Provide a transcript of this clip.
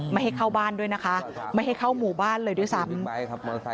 ไม่ให้เข้าบ้านด้วยนะคะไม่ให้เข้าหมู่บ้านเลยด้วยซ้ำ